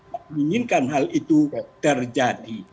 saya inginkan hal itu terjadi